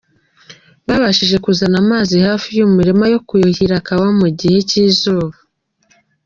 Babashije kuzana amazi hafi y’umurima yo kuhira kawa mu gihe cy’izuba.